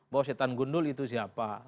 bahwa setan gundul itu siapa